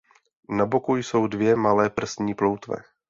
Na boku jsou dvě malé prsní ploutve.